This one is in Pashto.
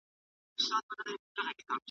د وخت پاچا په تا په هر حالت کې گرم شه گرانې